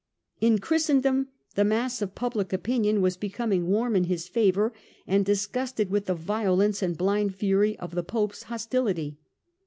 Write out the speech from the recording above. In Christendom the mass of public opinion was becoming warm in his favour and disgusted with the violence and blind fury of the Pope's hostility.